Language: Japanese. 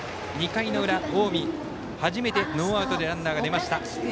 ２回の裏、近江初めてノーアウトでランナーが出ました。